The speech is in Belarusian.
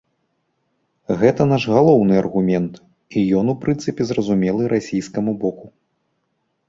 Гэта наш галоўны аргумент, і ён у прынцыпе зразумелы расійскаму боку.